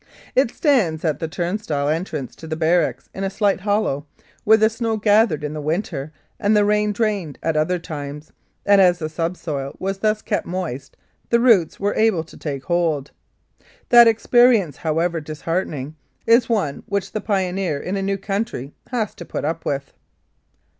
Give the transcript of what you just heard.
It stands at the turn stile entrance to the barracks in a slight hollow, where the snow gathered in the winter and the rain drained at other times, and as the subsoil was thus kept moist the roots were able to take hold. That experience, how ever disheartening, is one which the pioneer in a new country has to put up with.